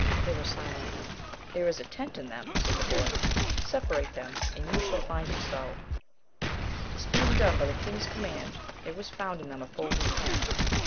they were silent: "there is a tent in them," said the boy; "separate them, and you shall find it so;" this being done by the king's command, there was found in them a folded tent.